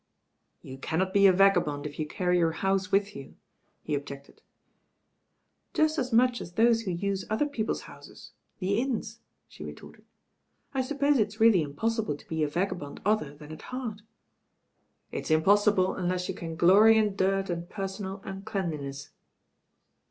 "You cannot be a vagabond if you carry your house with you," he objected. "Just as much as those who use other people's houses — ^the inns," she retorted. "I suppose it's really impossible to be a vagabond other than at heart." "It's impossible unless you can glory in dirt and personal uncleanliness."